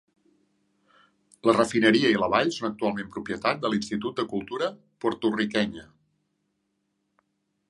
La refineria i la vall són actualment propietat de l'Institut de Cultura Porto-riquenya.